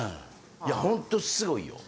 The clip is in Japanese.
ホントすごいよ。